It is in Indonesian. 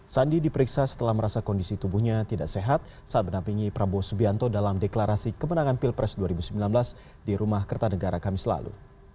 sandi diperiksa setelah merasa kondisi tubuhnya tidak sehat saat menampingi prabowo subianto dalam deklarasi kemenangan pilpres dua ribu sembilan belas di rumah kertanegara kamis lalu